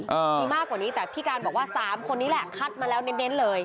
มีมากกว่านี้แต่พี่การบอกว่าสามคนนี้แหละคัดมาแล้วเน้นเลย